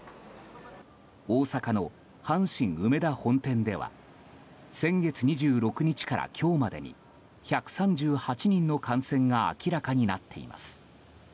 大阪の阪神梅田本店では先月２６日から今日までに１３８人の感染が明らかになっています。